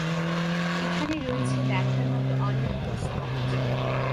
এখানে রয়েছে দেখার মতো অনেকগুলো স্পট।